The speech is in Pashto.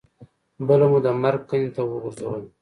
بله مو د مرګ کندې ته وغورځوله.